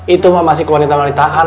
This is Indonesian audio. itu mah masih kewanita wanitaan